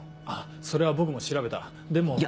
あっそれは僕も調べたでも。